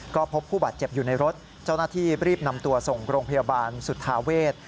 ก็พบผู้บาดเจ็บอยู่ในรถเจ้าหน้าที่รีบนำตัวส่งโรงพยาบาลสุธาเวศ